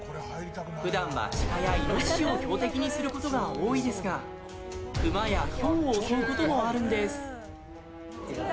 普段はシカやイノシシを標的にすることが多いですが馬やヒョウを襲うこともあるんです。